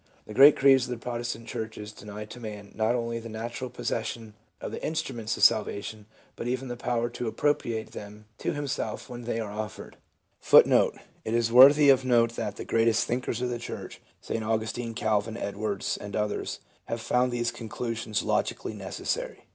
The great creeds of the Protestant churches deny to man not only the natural possession of the instruments of salvation, but even the power to appropriate them to himself when they are offered. ■ The determinism they proclaim is one sided, inasmuch as 1 It is worthy of note that the greatest thinkers of the church, St. Augustine, Calvin, Edwards, and others, have found these con clusions logically necessary.